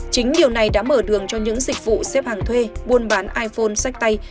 chính điều này đã mở đường cho những dịch vụ xếp hàng thuê buôn bán iphone sách tay